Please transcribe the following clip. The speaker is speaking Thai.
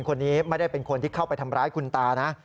คนนี้ไม่ได้เป็นคนที่เข้าไปทำร้ายคุณตานะ